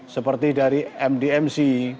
seperti dari mdmc